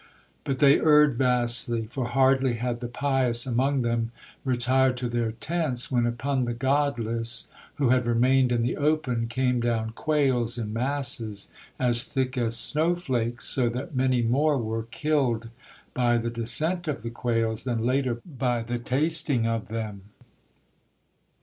But they erred vastly, for hardly had the pious among them retired to their tents, when upon the godless, who had remained in the open, came down quails in masses as thick as snowflakes, so that many more were kill by the descent of the quails than later by the tasting of them.